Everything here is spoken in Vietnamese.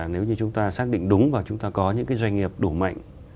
nếu như chúng ta xác định đúng và chúng ta có những cái doanh nghiệp đủ mạnh